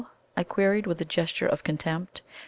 I queried, with a gesture of contempt.